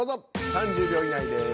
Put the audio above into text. ３０秒以内です。